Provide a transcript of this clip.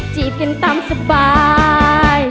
จีบกันตามสบาย